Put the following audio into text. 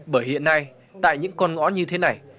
bởi hiện nay tại những con ngõ như thế này